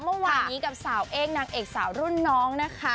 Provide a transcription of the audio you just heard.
เมื่อวานนี้กับสาวเอกนางเอกสาวรุ่นน้องนะคะ